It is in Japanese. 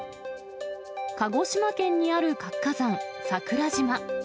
鹿児島県にある活火山、桜島。